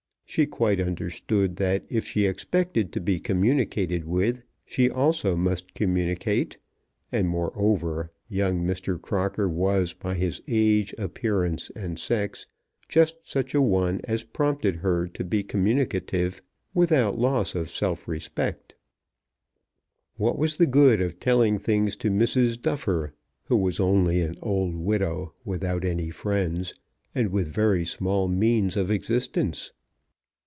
She quite understood that if she expected to be communicated with, she also must communicate; and moreover, young Mr. Crocker was by his age, appearance, and sex, just such a one as prompted her to be communicative without loss of self respect. What was the good of telling things to Mrs. Duffer, who was only an old widow without any friends, and with very small means of existence?